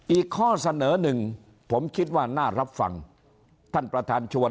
อีกข้อเสนอหนึ่งผมคิดว่าน่ารับฟังท่านประธานชวน